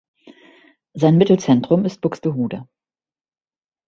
Sein Mittelzentrum ist Buxtehude.